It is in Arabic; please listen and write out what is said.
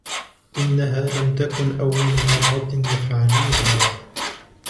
إنها لم تكن أول مرة يفعلوها.